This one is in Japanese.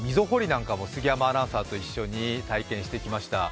なんかも、杉山アナウンサーと一緒に体験してきました。